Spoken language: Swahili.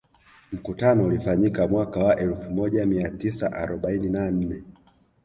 Mkutano ulifanyika mwaka wa elfu moja mia tisa arobaini na nne